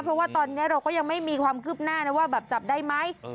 เพราะว่าตอนนี้เราก็ยังไม่มีความคืบหน้านะว่าแบบจับได้ไหม